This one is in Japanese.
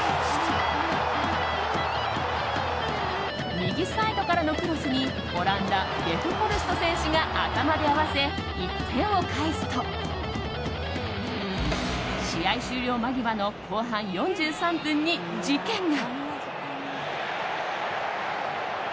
右サイドからのクロスにオランダ、ヴェフホルスト選手が頭で合わせ、１点を返すと試合終了間際の後半４３分に事件が。